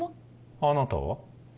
あなたは？